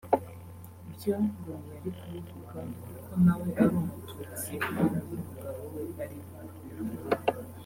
byo ngo ntiyari kubivuga kuko nawe ari Umututsi kandi n’umugabo we ariwe